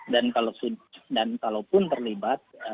dan kalau pun terlibat